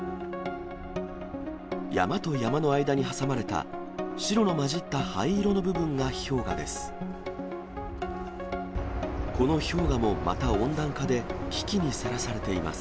山と山の間に挟まれた白の混じった灰色の部分が氷河です。